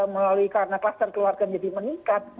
melalui karena kluster keluarga menjadi meningkat